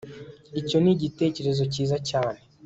icyo ni igitekerezo cyiza cyane